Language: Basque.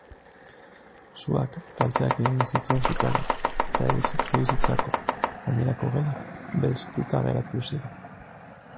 Suak kalteak egin zituen sukaldean, eta etxebizitzako gainerako gelak belztuta geratu ziren.